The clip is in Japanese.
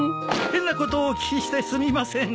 変なことをお聞きしてすみません。